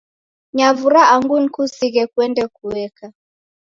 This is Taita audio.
Nyavura angu nikusighe kuende kueka